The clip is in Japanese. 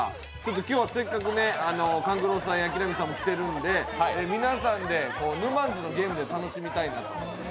今日はせっかく勘九郎さんや木南さんも来ているので、皆さんでぬまんづのゲームで盛り上がりたいと思います。